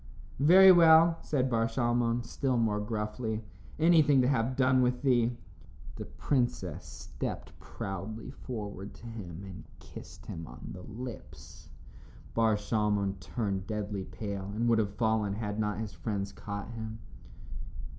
"Very well," said Bar Shalmon, still more gruffly, "anything to have done with thee." The princess stepped proudly forward to him and kissed him on the lips. Bar Shalmon turned deadly pale and would have fallen had not his friends caught him.